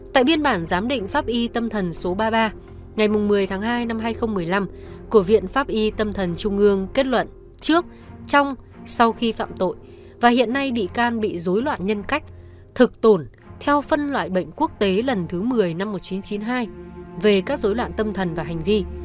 tại biên bản giám định pháp y tâm thần số ba mươi ba ngày một mươi tháng hai năm hai nghìn một mươi năm của viện pháp y tâm thần trung ương kết luận trước trong sau khi phạm tội và hiện nay bị can bị dối loạn nhân cách thực tổn theo phân loại bệnh quốc tế lần thứ một mươi năm một nghìn chín trăm chín mươi hai về các dối loạn tâm thần và hành vi